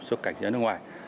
xuất cảnh đến nước ngoài